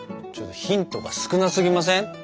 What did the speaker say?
ちょっとヒントが少なすぎません？